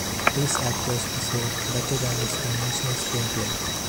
These actors deserved better than this conventional screenplay.